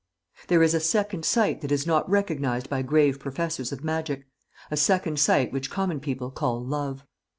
There is a second sight that is not recognised by grave professors of magic a second sight which common people call Love.